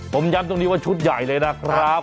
ผมย้ำตรงนี้ว่าชุดใหญ่เลยนะครับ